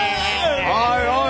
おいおい